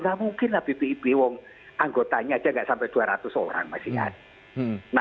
enggak mungkin lah bpp anggotanya aja gak sampai dua ratus orang masih ada